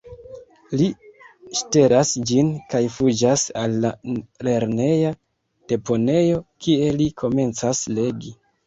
Li ŝtelas ĝin kaj fuĝas al la lerneja deponejo, kie li komencas legi.